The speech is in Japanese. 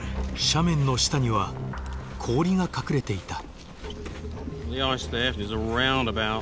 斜面の下には氷が隠れていた。